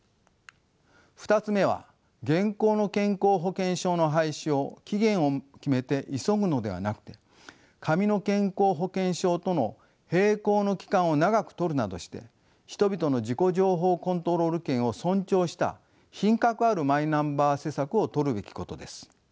２つ目は現行の健康保険証の廃止を期限を決めて急ぐのではなくて紙の健康保険証との並行の期間を長くとるなどして人々の自己情報コントロール権を尊重した品格あるマイナンバー施策をとるべきことです。